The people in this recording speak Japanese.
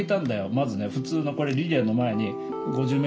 まずね普通のこれリレーの前に５０ｍ走ぐらいで。